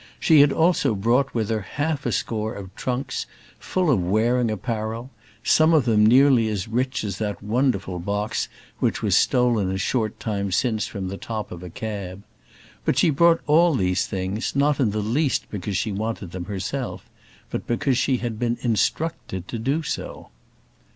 She had also brought with her half a score of trunks, full of wearing apparel; some of them nearly as rich as that wonderful box which was stolen a short time since from the top of a cab. But she brought all these things, not in the least because she wanted them herself, but because she had been instructed to do so.